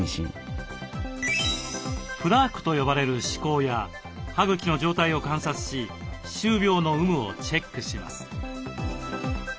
プラークと呼ばれる歯こうや歯茎の状態を観察し歯周病の有無をチェックします。